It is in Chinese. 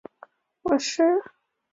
家纹是六鸠酢草纹。